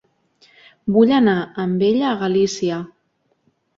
Vull anar amb ella a Galícia.